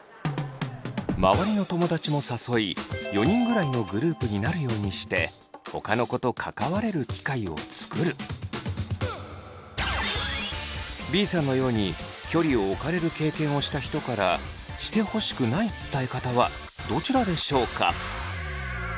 周りの友だちも誘い４人ぐらいのグループになるようにしてＢさんのように距離を置かれる経験をした人からしてほしくない伝え方はどちらでしょうか？